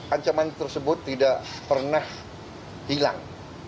ancaman tersebut tidak pernah hilang